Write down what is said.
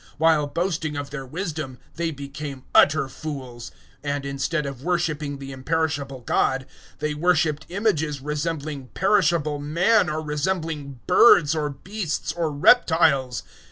001:022 While boasting of their wisdom they became utter fools, 001:023 and, instead of worshipping the imperishable God, they worshipped images resembling perishable man or resembling birds or beasts or reptiles.